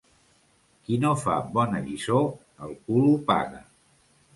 Qui no fa bona lliçó, el cul ho paga.